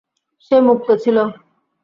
সে মুক্ত ছিল।